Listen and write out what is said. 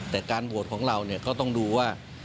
แต่การโหวตของเราเนี่ยก็ต้องดูว่า